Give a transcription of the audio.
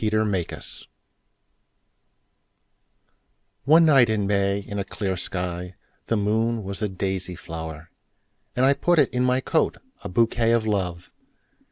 My Flower ONE night in May in a clear skyThe moon was a daisy flower:And! put it in my coat,A bouquet of Love!